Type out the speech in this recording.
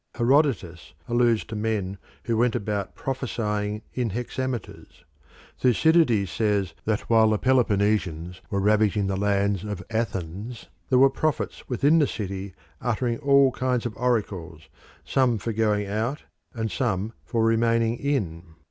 Herodotus alludes to men who went about prophesying in hexameters. Thucydides says that while the Peloponnesians were ravaging the lands of Athens there were prophets within the city uttering all kinds of oracles, some for going out and some for remaining in.